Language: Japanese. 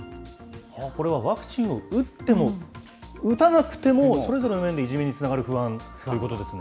これはワクチンを打っても、打たなくてもそれぞれの面でいじめにつながる不安ということですね。